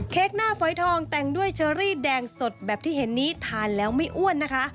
หน้าฝอยทองแต่งด้วยเชอรี่แดงสดแบบที่เห็นนี้ทานแล้วไม่อ้วนนะคะ